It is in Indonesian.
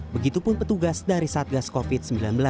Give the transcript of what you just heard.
begitupun petugas dari satgas covid sembilan belas